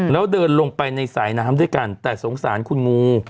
แล้วเดินลงไปในสายน้ำด้วยกันแต่สงสารคุณงู